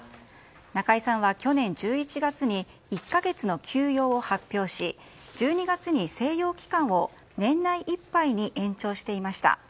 中居さんは去年１１月に１か月の休養を発表し１２月に静養期間を年内いっぱいに延長していました。